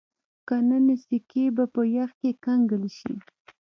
که نه نو سکي به په یخ کې کنګل شي